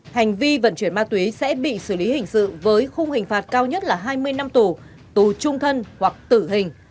hành vi vận chuyển ma túy sẽ bị xử lý hình sự với khung hình phạt cao nhất là hai mươi năm tù tù trung thân hoặc tử hình